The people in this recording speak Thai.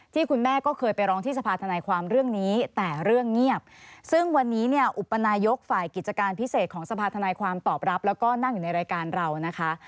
คุณแม่ก็เคยไปร้องที่สภาธนายความเรื่องนี้แต่เรื่องเงียบซึ่งวันนี้เนี่ยอุปนายกฝ่ายกิจการพิเศษของสภาธนายความตอบรับแล้วก็นั่งอยู่ในรายการเรานะคะ